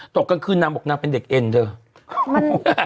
กลางคืนนางบอกนางเป็นเด็กเอ็นเถอะ